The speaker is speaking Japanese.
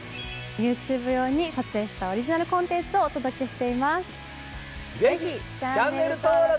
ＹｏｕＴｕｂｅ用に撮影したオリジナルコンテンツをお届けしています。